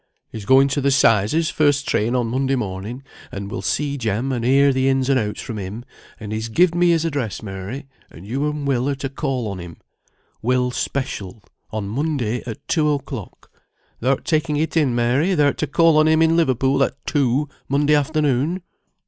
He's going to the 'sizes first train on Monday morning, and will see Jem, and hear the ins and outs from him, and he's gived me his address, Mary, and you and Will are to call on him (Will 'special) on Monday at two o'clock. Thou'rt taking it in, Mary; thou'rt to call on him in Liverpool at two, Monday afternoon?"